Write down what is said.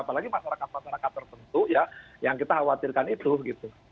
apalagi masyarakat masyarakat tertentu yang kita khawatirkan itu